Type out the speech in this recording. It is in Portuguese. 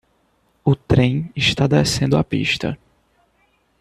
O trem está descendo a pista.